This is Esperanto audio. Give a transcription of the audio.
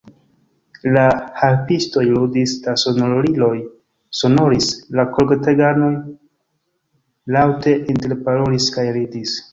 La harpistoj ludis, la sonoriloj sonoris, la korteganoj laŭte interparolis kaj ridis.